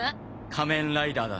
仮面ライダーだ。